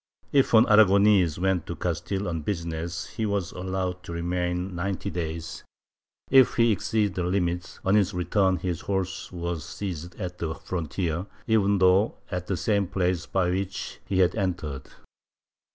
If an Aragonese went to Castile on business, he was allowed to remain ninety days; if he exceeded the limit, on his return his horse was seized at the frontier, even though at the same place by which he had entered.